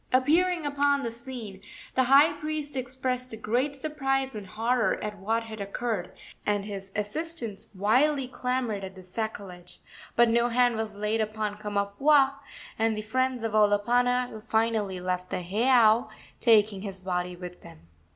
Appearing upon the scene, the high priest expressed great surprise and horror at what had occurred, and his assistants wildly clamored at the sacrilege; but no hand was laid upon Kamapuaa, and the friends of Olopana finally left the heiau, taking his body with them.